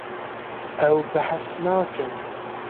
Ew behs nakin.